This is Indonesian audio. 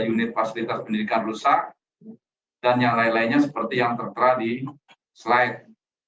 unit fasilitas pendidikan rusak dan yang lain lainnya seperti yang tertera di slide